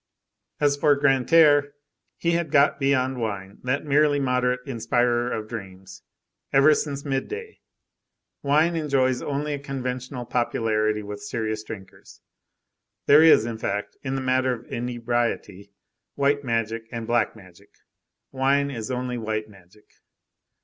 As for Grantaire, he had got beyond wine, that merely moderate inspirer of dreams, ever since midday. Wine enjoys only a conventional popularity with serious drinkers. There is, in fact, in the matter of inebriety, white magic and black magic; wine is only white magic.